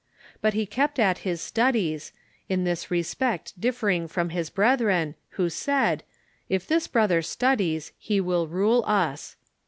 But he kept at his studies, in this respect differing from his brethren, who said :" If this brother studies, he will rule us."